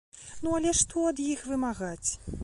Ну, але што ад іх вымагаць?